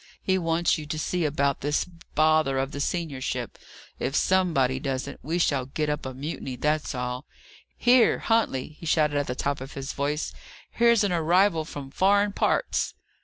"He wants you to see about this bother of the seniorship. If somebody doesn't, we shall get up a mutiny, that's all. Here, Huntley," he shouted at the top of his voice, "here's an arrival from foreign parts!"